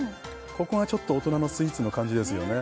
ここがちょっと大人のスイーツの感じですよね